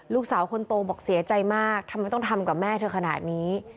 ลูกสาวคนโตบอกเสียใจมากทำไมต้องทำกับแม่เธอขนาดนี้